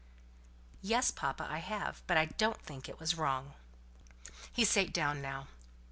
"Yes, papa, I have; but I don't think it was wrong." He sate down now.